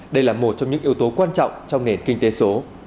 đây là một trong những yếu tố quan trọng trong nền kinh tế số